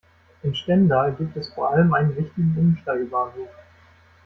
In Stendal gibt es vor allem einen wichtigen Umsteigebahnhof.